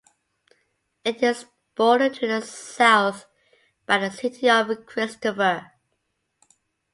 It is bordered to the south by the city of Christopher.